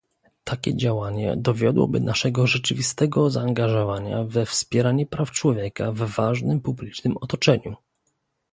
Takie działanie dowiodłoby naszego rzeczywistego zaangażowania we wspieranie praw człowieka w ważnym publicznym otoczeniu